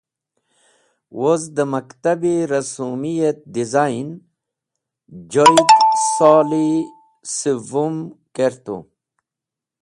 woz dẽ maktab-e rasomi et dizayn (design) joyd sol-e siwum kertu.